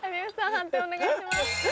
判定お願いします。